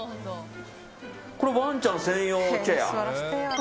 これ、ワンちゃん専用チェア？